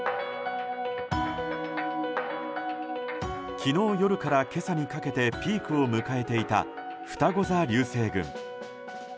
昨日夜から今朝にかけてピークを迎えていたふたご座流星群。